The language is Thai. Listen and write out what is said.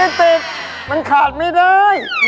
ติดมันขาดไม่ได้